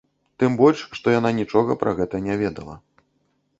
Тым больш, што яна нічога пра гэта не ведала.